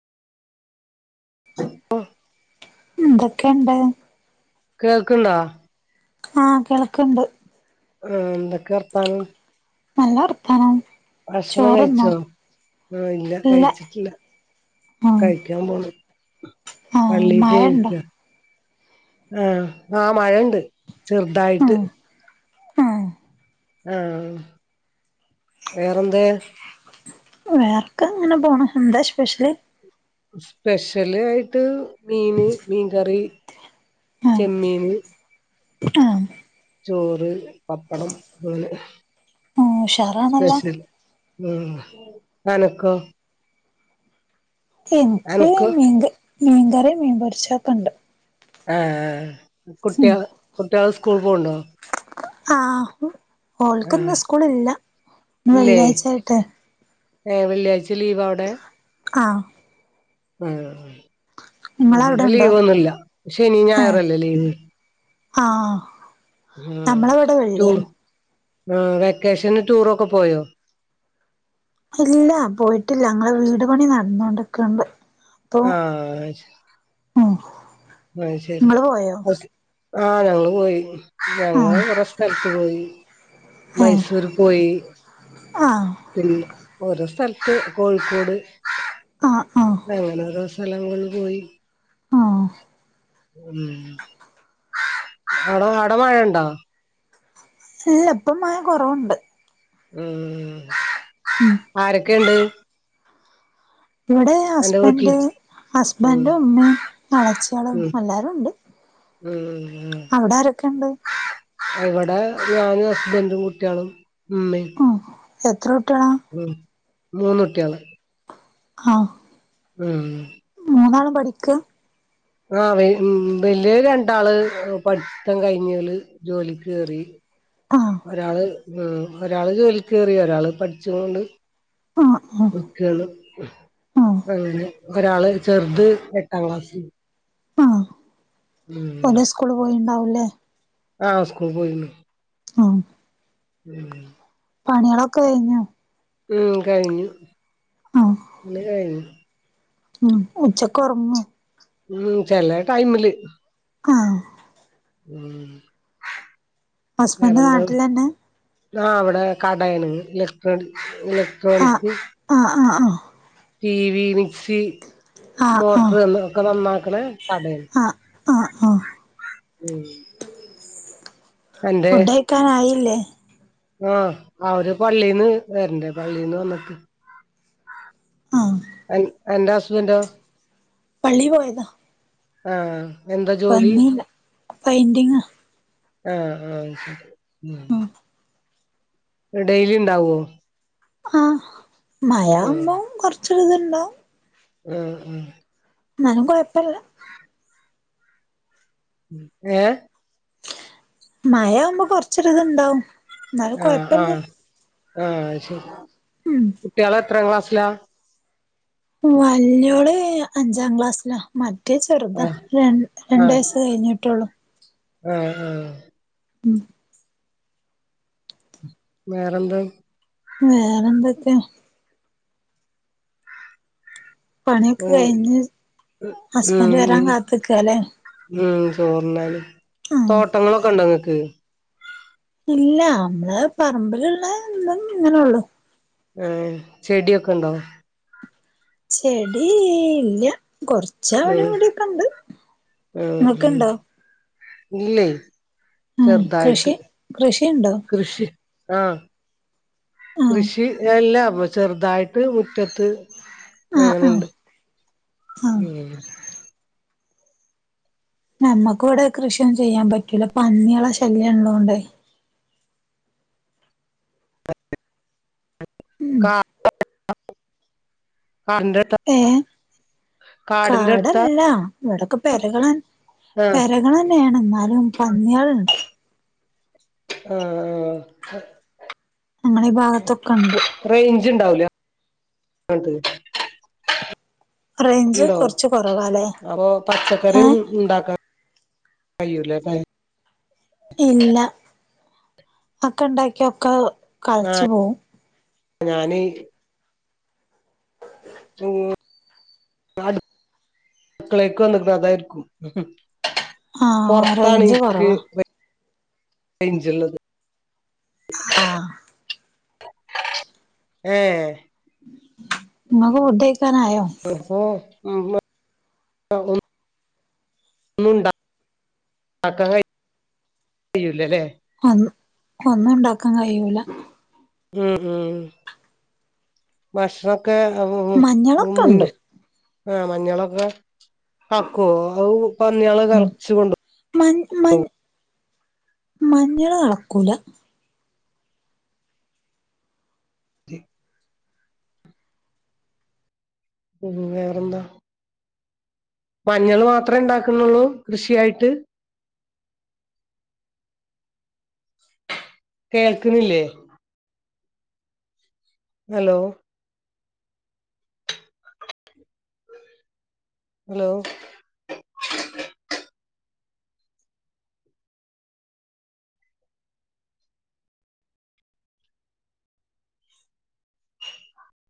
[inaudible] അ എന്തൊക്കെണ്ട് കേൾക്ക്‌ണ്ടോ ആഹ് കേൾക്ക്ണ്ട് ആഹ് എന്തൊക്കെ വർത്താനം? നല്ല വർത്താനം ഭക്ഷണം ചോറ്ന്നോ കഴിച്ചോ? ആഹ്. ഇല്ല കഴിച്ചിട്ടില്ല. ആഹ് കഴിക്കാൻ പോണ് ആഹ് പള്ളി മഴണ്ടോ പോയക്കാ ആഹ ആ മഴണ്ട് ചെറുതായിട്ട്.. ആഹ് ആഹ്. ആഹ് വേറെന്താ വേർക്കങ്ങനെ പോണ്. എന്താ സ്പെഷ്യൽ സ്പെഷ്യല് യിട്ട് മീന്, മീൻകറി, ആഹ് ചെമ്മീന് [inaudible] ചോറ്, പപ്പടം, മോര് ആഹ് ഉഷാറാണല്ലോ സ്പെഷ്യൽ ഉം അനക്കോ എനിക്ക് അനക്കോ മീൻ മീൻകറിം, മീൻപൊരിച്ചൊക്കെണ്ട്. ആഹ് ഉം കുട്ടികൾ കുട്ടികൾ സ്കൂൾ പോ കൊണ്ടോ ആഹ് ഹു, ആ ഒൾക്ക്ന്ന്സ്കൂളില്ല. ന്ന് വെള്ളിയാഴ്ച ആയിട്ട് ഏഹ് വെള്ളിയാഴ്ച ലീവാ അവ്ടെ ആഹ് ആഹ് നിങ്ങളവിടെ ഇവിടെ ഉണ്ടോ ലീവ് ഒന്നുമില്ല. ശനി ഏഹ് ഞായറല്ലേ ലീവ്. ആഹ് ഉം. നമ്മളവിടെ റ്റൂർ വെള്ളിയാണ് ഏഹ്, വെക്കേഷൻല് ടൂറൊക്കെ പോയോ? ഇല്ല പോയിട്ടില്ല. ങ്ങളെ വീട് പണി നടന്നോണ്ട്ക്ക്ണ്ട് ആഹ് അയ് ആഹ്. അയ്ശരി. ഹോസ്, ആഹ് ഞങ്ങള് പോയിന്ന്. ഞങ്ങൾ ആഹ് കുറെ സ്ഥലത്ത് പോയി ഏഹ് മൈസൂർ പോയി ആഹ് പിന്നെ ഓരോ സ്ഥലത്ത് കോഴിക്കോട് ആഹ് ആഹ് അങ്ങനെ ഓരോ സ്ഥലം കൊണ്ട് പോയി. ആഹ് ഉം അവടെ അവടെ മഴണ്ടോ ഇല്ല ഇപ്പം മയ കൊറവുണ്ട് മ് ഉം ആരെക്കെണ്ട്? ഇവിടെ അന്റെ വീട്ടില് ഹസ്ബൻഡ് ഉം ഹസ്ബൻന്റെ ഉമ്മീം എളചിയോളും എല്ലാരുഉണ്ട്. ഉം ഉം ഉം അവ്‌ടെ ആരെക്കെണ്ട്? ഇവടെ ഞാനും ഹസ്ബന്റും കുട്ടിയാളും ഇമ്മീം ഉം എത്ര കുട്ട്യളാ? ഉം മൂന്നുട്ടിയേള് ആഹ്. ഉം മൂന്നാളും പഠിക്കാ ആഹ ഉ വല്ല്യോര് രണ്ടാള് പഠിത്തം കഴിഞ്ഞല് ജോലിക്ക്‌ കേറി ആഹ് ഒരാള് മം ഒരാള് ജോലിക്ക് കേറി ഒരാള് പഠിച്ചിണ് ണ്ട് ആഹ് ആഹ് വക്കെയാണ് ആഹ് അങ്ങനെ ഒരാള് ചെറുത് എട്ടാം ക്ലാസിൽ മോന് സ്കൂള് പോയിണ്ടാവൂല്ലേ ആഹ് സ്കൂൾ പോയിരുന്നു ആ ഉം പണികളൊക്കെ കഴിഞ്ഞു. ഉം കഴിഞ്ഞു ഇന്ന് കഴിഞ്ഞു ഉച്ചയ്ക്ക് ഉറങ്ങോ ഉം ചെലേ ടൈമില് ആഹ് ഉമ് ഹസ്ബൻഡ് വേറെന്താ നാട്ടിലന്നെ ആ അവിടെ കടയാണ് ഇലക്ട്രോണി ഇലക്ട്രോണിക് ആ ആ ആ ടി വി മിക്സി ആഹ് ആഹ് മോട്ടർ ആഹ് എന്ന ഒക്കെ നന്നാക്ണെ കട ആഹ് ആഹ് ആഹ് ഉം ഫുഡ് കഴിക്കാൻ ആയില്ലേ ആഹ അവര് പള്ളീന്ന് വരണ്ടേ പള്ളിന്ന് വന്നിട്ട് ആഹ് അന്റെ ഹസ്ബന്റോ പള്ളി പോയതാ ആഹ വന്നില്ല പെയിന്റിങ്ങാ ആഹ് ആഹ് ശരി ഉമ് ആഹ് ഡെയിലി ണ്ടാവോ ആഹ് മയാവുമ്പോ കുറച്ചൊരു ഇത് ഉണ്ടാവും ഉം ഉം ന്നാലും കൊഴപ്പില്ല ഏഹ് മഴ ആവുമ്പോ കൊറച്ചൊരിത് ഇണ്ടാവും ആഹ ആഹ ആ ശരി ഉം കുട്ട്യാള് എത്രാ ക്ലാസ്സിലാ വല്യോള് അഞ്ചാം ക്ലാസ്സിലാ മറ്റേ ചെറുതാ ആഹ് ര രണ്ട് വയസ് കഴിഞ്ഞിട്ടൊള്ളൂ ആഹ ആഹ ഉം വേറെന്താ വേറെ എന്തൊക്കെ പണിയൊക്കെ ഉം കഴിഞ്ഞ് ഹസ്ബൻഡ് വരാൻ ഉം കാത്ത്ക്കാല്ലേ ഉം ചോർണ്ണാന് ആഹ് തോട്ടങ്ങളൊക്കെ ഉണ്ടോ ഇങ്ങക്ക് ഇല്ല നമ്മള് പറമ്പിലുള്ള ഇങ്ങനെള്ളു ആഹ് ചെടിയൊക്കൊണ്ടോ ചെടി ഇല്യ കൊറച്ച് ച്ചാ അവിടെ ഉം ഇവിടെക്കെണ്ട് ഉം ഇങ്ങക്ക്‌ ഉം ഇണ്ടോ ഇല്ലേ ആഹ് ചെറുതായിട്ട് കൃഷി കൃഷിയുണ്ടോ കൃഷി ആഹ ആഹ് കൃഷി എല്ല അപ്പ ചെറുതായിട്ട് മുറ്റത്ത് ആഹ് ഇണ്ട് ആഹ് നമ്മുക്ക് ഇവിടെ കൃഷിയൊന്നും ചെയ്യാൻ പറ്റൂല പന്ന്യാളെ ശല്യം ഇള്ളോണ്ട് ഉം [unintelligible] കരണ്ട് ട്ടാ ഏഹ് അടുത്താ കാടല്ല ഇവിടൊക്കെ പെകളെ ആഹ് പെരകളെന്നെ അങ്ങന്നെയാണ് എന്നാലും പന്ന്യാളുണ്ട് ആഹ ആഹ ഞാങ്ങളെ ഈ ഭാഗത്തൊക്കെ ഉണ്ട് റേഞ്ച്ണ്ടാവിലാ [unintelligible] റേഞ്ച് ണ്ടോ കൊറച്ച് കൊറവാല്ലേ അപ്പൊ ഏ പച്ചക്കറിയും ഇണ്ടാക്ക കയ്യൂല കൈ ഇല്ല അക്കെ ഉണ്ടാക്ക്യ ഒക്കെ കളിച്ചു ആഹ് പോവും ഞാന് ഉം അടു ക്കളേക്ക്‌ വന്ന്ക്കുണു അതായിരിക്കും ആഹ് പൊറത്താണ് റേഞ്ച് ഇന്ക്ക് കുറവാ [unintelligible] ആഹ് ഏഹ് ഇങ്ങക്ക് ഫുഡ്‌ കഴിക്കാനായോ ഇനിയിപ്പോ [unintelligible] ഒന്നണ്ടാക്കാൻ [unintelligible] കയൂല്ലല്ലേ ഒന്ന് ഒന്നും ഉണ്ടാക്കാൻ കഴിയൂല ഉമ് ഉമ് ഭക്ഷണൊക്കെ മഞ്ഞളൊക്കെ ഉണ്ട് മുന്നേ ആ മഞ്ഞളൊക്കെ ആക്കുവോ അത് പന്ന്യാൾ കളച് കൊണ്ട് മഞ്ഞ് മ മഞ്ഞള് കളക്കൂല ഉ വേറെന്താ മഞ്ഞൾ മാത്ര ഉണ്ടാക്കുന്നുള്ളൂ കൃഷിയായിട്ട് കേൾക്കുന്നില്ലേ ഹലോ ഹലോ